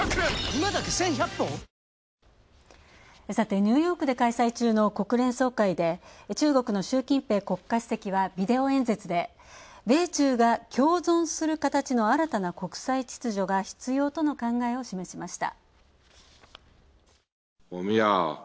ニューヨークで開催中の国連総会で中国の習近平国家主席は、ビデオ演説で米中が共存する形の新たな国際秩序が必要との考えを示しました。